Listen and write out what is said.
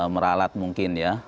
meralat mungkin ya